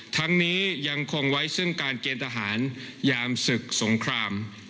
ทั้งนี้ยังคงไว้ซึ่งการเกณฑ์ทหารยามศึกสงคราม